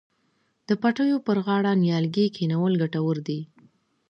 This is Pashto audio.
د پټیو پر غاړه نیالګي کینول ګټور دي.